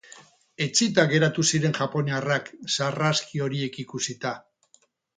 Etsita geratu ziren japoniarrak sarraski horiek ikusita.